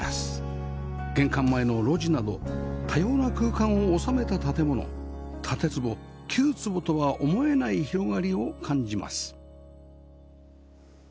玄関前の露地など多様な空間を収めた建物建坪９坪とは思えない広がりを感じます